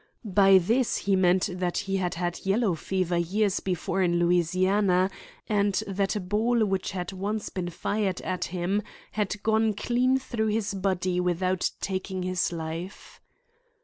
By this he meant that he had had yellow fever years before in Louisiana, and that a ball which had once been fired at him had gone clean through his body without taking his life.